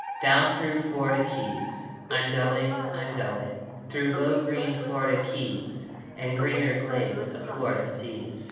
Down thro Florida keys I'm going, I'm going! Thro low green Florida keys And greener glades of Florida seas!